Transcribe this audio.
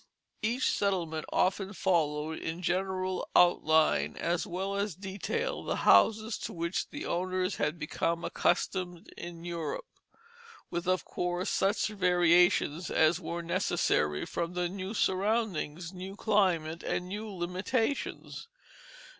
Each settlement often followed in general outline as well as detail the houses to which the owners had become accustomed in Europe, with, of course, such variations as were necessary from the new surroundings, new climate, and new limitations.